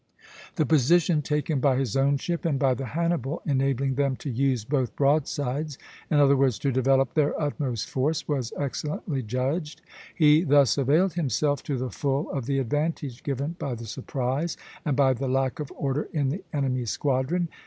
The position taken by his own ship and by the "Hannibal," enabling them to use both broadsides, in other words, to develop their utmost force, was excellently judged. He thus availed himself to the full of the advantage given by the surprise and by the lack of order in the enemy's squadron.